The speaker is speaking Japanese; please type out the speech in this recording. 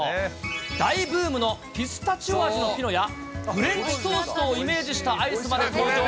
大ブームのピスタチオの味のピノや、フレンチトーストをイメージしたアイスまで登場。